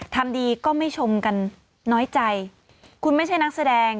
ทำดีก็ไม่ชมกันน้อยใจคุณไม่ใช่นักแสดง